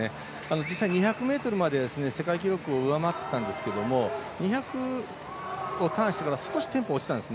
実際２００ｍまで世界記録を上回ってたんですけど２００をターンしてから少しテンポが落ちたんです。